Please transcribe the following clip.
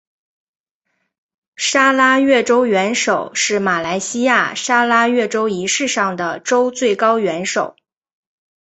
砂拉越州元首是马来西亚砂拉越州仪式上的州最高元首。